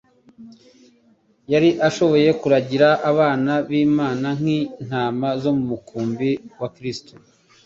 Yari ashoboye kuragira abana b'intama nk'intama zo mu mukurubi wa Kristo.